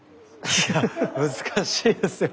いや難しいですよ